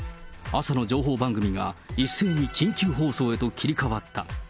朝の情報番組が、一斉に緊急放送へと切り替わった。